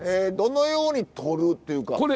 どのようにとるっていうか。